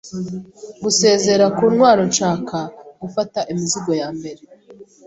Gusezera ku ntwaro nshaka gufata imizigo ya mbere